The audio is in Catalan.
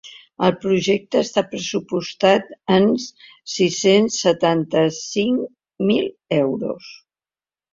El projecte està pressupostat en sis-cents setanta-cinc mil euros.